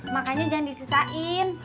makannya jangan disisain